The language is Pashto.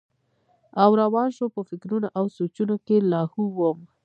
او روان شو پۀ فکرونو او سوچونو کښې لاهو وم